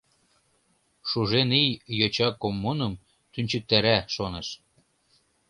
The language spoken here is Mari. Шужен ий йоча коммуным тӱнчыктара, шоныш.